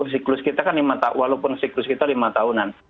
siklus kita kan walaupun siklus kita lima tahunan